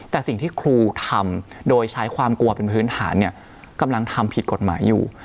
แต่สิ่งที่ครูทำโดยใช้ความกลัวเป็นพื้นฐานเนี่ยกำลังทำผิดกฎหมายอยู่